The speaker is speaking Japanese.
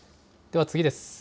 では次です。